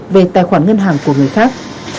về tài khoản ngân hàng của người khác